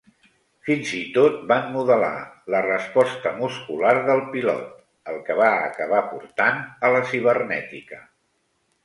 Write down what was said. Fins i tot van modelar la resposta muscular del pilot, el que va acabar portant a la cibernètica.